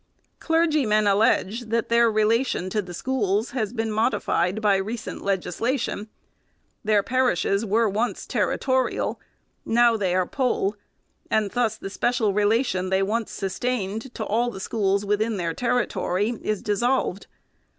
Clergymen allege, that their relation to the schools has been modified by recent legislation. Their parishes were once territorial, now they are poll ; and thus the special relation they once sustained to all the schools 406 THE SECRETARY'S within their territory is dissolved.